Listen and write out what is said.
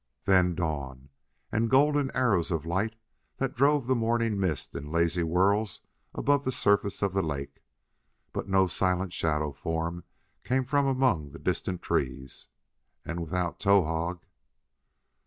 Then dawn, and golden arrows of light that drove the morning mist in lazy whirls above the surface of the lake. But no silent shadow form came from among the distant trees. And without Towahg